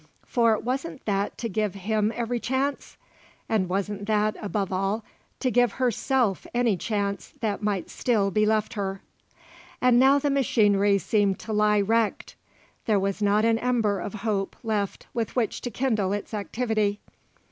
For wasn't that to give him every chance? and wasn't that, above all, to give herself any chance that might still be left her? And now the machinery seemed to lie wrecked. There was not an ember of hope left with which to kindle its activity.